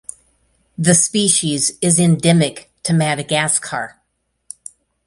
The species is endemic to Madagascar.